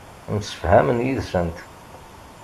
Msefhamen yid-sent.